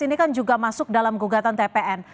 ini kan juga masuk dalam gugatan tpn